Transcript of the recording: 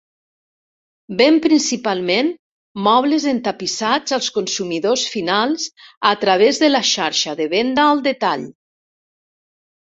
Ven principalment mobles entapissats als consumidors finals a través de la xarxa de venda al detall.